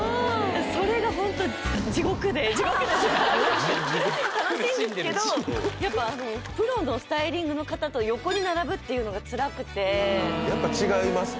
それがホント楽しいんですけどやっぱあのプロのスタイリングの方と横に並ぶっていうのがつらくてやっぱ違いますか？